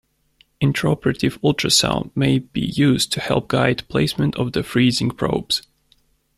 Intraoperative ultrasound may be used to help guide placement of the freezing probes.